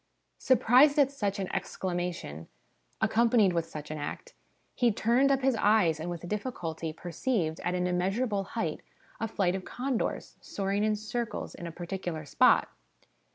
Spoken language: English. ' Surprised at such an excla mation, accompanied with such an act, he turned up his eyes, and with difficulty perceived, at an immeasurable height, a flight of condors, soaring in circles in a particular spot.